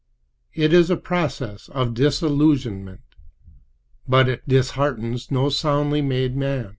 It is a process of disillusionment, but it disheartens no soundly made man.